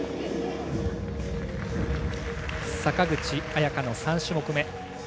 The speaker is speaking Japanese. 坂口彩夏の３種目め。